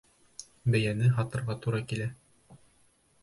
Бейәне һатырға тура килә.